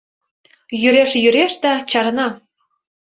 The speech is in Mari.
— Йӱреш-йӱреш да чарна.